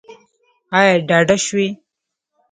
ایا ډاډه شوئ؟